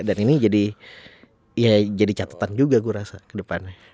dan ini jadi catatan juga gue rasa ke depannya